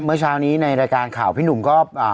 เมื่อเช้านี้ในรายการข่าวพี่หนุ่มก็อ่า